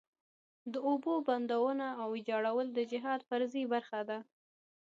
د اوبو بندونو ویجاړول د جهاد فریضې برخه ده.